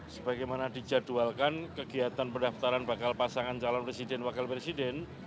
sebagaimana dijadwalkan kegiatan pendaftaran bakal pasangan calon presiden wakil presiden